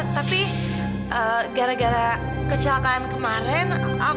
tapi gara gara kecelakaan kemarin